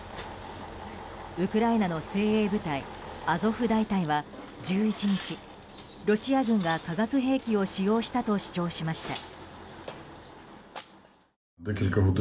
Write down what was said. ウクライナの精鋭部隊アゾフ大隊は１１日、ロシア軍が化学兵器を使用したと主張しました。